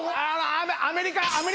アメリカ。